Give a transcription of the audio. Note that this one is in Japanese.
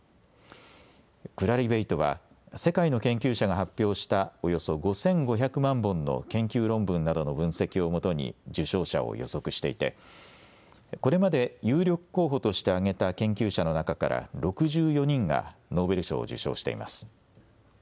クラリベイトは世界の研究者が発表したおよそ５５００万本の研究論文などの分析をもとに受賞者を予測していてこれまで有力候補として挙げた研究者の中から６４人がノーベル賞を受賞しています。